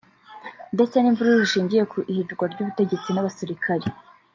ndetse n’imvururu zishyingiye ku ihirikwa ry’ubutegetsi n’abasirikare